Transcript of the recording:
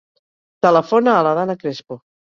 Telefona a la Dana Crespo.